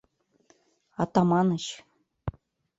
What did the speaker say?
Атаманыч.